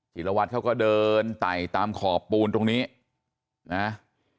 จิตรวัตรเขาก็เดินไต่ตามขอบปูนตรงนี้นะ